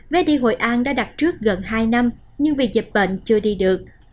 vé đi hội an đã đặt trước gần hai năm nhưng vì dịch bệnh chưa đi được